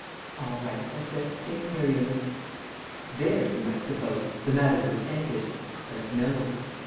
"All right," I said, "St. Miriam's." There, you might suppose, the matter would have ended; but no.